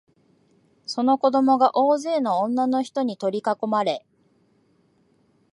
その子供が大勢の女のひとに取りかこまれ、